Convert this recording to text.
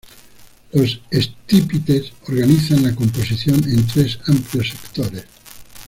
Los estípites organizan la composición en tres amplios sectores.